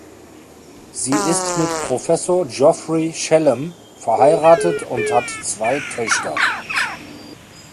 Sie ist mit Professor Geoffrey Shellam verheiratet und hat zwei Töchter.